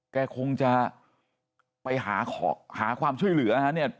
แกคงจะไปหาความช่วยเหลือนะฮะเนี่ย